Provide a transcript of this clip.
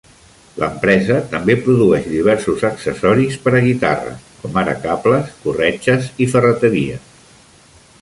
L'empresa també produeix diversos accessoris per a guitarra, com ara cables, corretges i ferreteria.